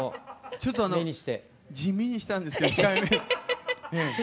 ちょっとあの地味にしたんですけど控えめ。